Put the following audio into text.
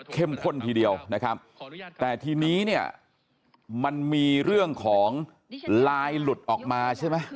ข้นทีเดียวนะครับแต่ทีนี้เนี่ยมันมีเรื่องของลายหลุดออกมาใช่ไหม